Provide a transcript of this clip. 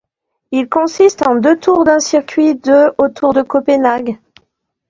Il consiste en deux tours d'un circuit de autour de Copenhague.